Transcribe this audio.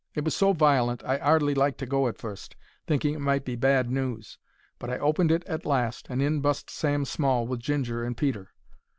It was so violent I 'ardly liked to go at fust, thinking it might be bad news, but I opened it at last, and in bust Sam Small, with Ginger and Peter.